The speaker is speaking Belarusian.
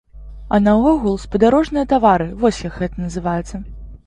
А наогул, спадарожныя тавары, вось як гэта называецца.